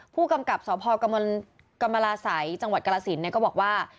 ผู้กำกับสพกกกกศก็บอกว่า